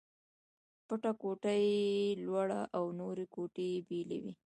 بټه ګوته يي لوړه او نورې ګوتې يې بېلې وې.